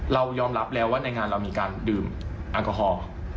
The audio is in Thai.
เรายอมรับแล้วว่าในงานเรามีการดื่มแอลกอฮอล์